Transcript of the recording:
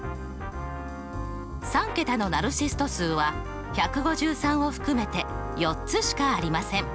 ３桁のナルシスト数は１５３を含めて４つしかありません。